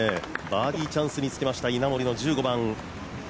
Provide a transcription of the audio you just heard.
バーディーチャンスにつけました、稲森の１５番。